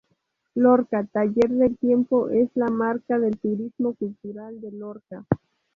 Lorca Taller del Tiempo es la marca de turismo cultural de Lorca.